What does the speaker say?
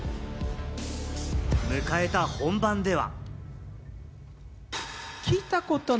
迎えた本番では。